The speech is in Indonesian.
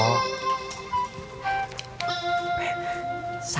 oh nggak ada